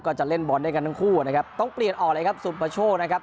จะเล่นบอลด้วยกันทั้งคู่นะครับต้องเปลี่ยนออกเลยครับสุประโชคนะครับ